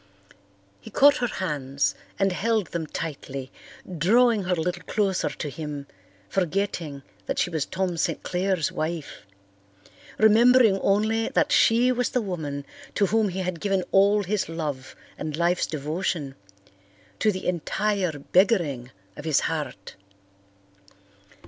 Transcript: He caught her hands and held them tightly, drawing her a little closer to him, forgetting that she was Tom St. Clair's wife, remembering only that she was the woman to whom he had given all his love and life's devotion, to the entire beggaring of his heart.